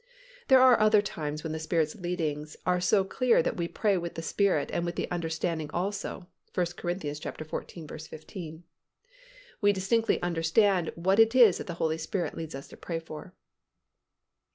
There are other times when the Spirit's leadings are so clear that we pray with the Spirit and with the understanding also (1 Cor. xiv. 15). We distinctly understand what it is that the Holy Spirit leads us to pray for.